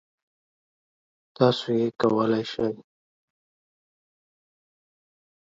تاسو یې کولی شئ!